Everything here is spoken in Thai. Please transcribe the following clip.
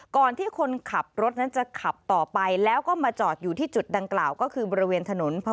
ก่อนที่คนขับรถนั้นจะขับต่อไปแล้วก็มาจอดอยู่ที่จุดดังกล่าวก็คือบริเวณถนน